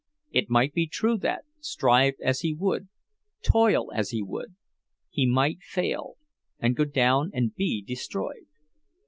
It might be true that, strive as he would, toil as he would, he might fail, and go down and be destroyed!